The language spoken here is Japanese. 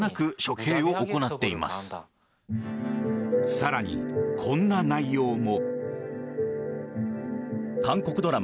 更に、こんな内容も。